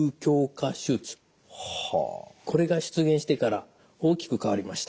これが出現してから大きく変わりました。